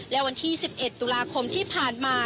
และวันที่สิบเอ็ดตุลาคมที่ผ่านมา